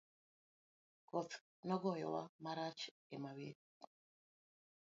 Koth nogoyo wa marach e mawingo.